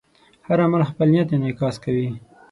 هر عمل خپل نیت انعکاس کوي.